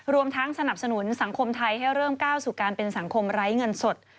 รวมทั้งสนับสนุนสังคมไทยให้เริ่มก้าวสู่การเป็นสังคมไร้เงินสด